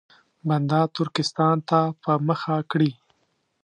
بنده ترکستان ته په مخه کړي.